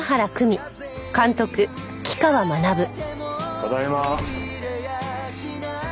ただいま。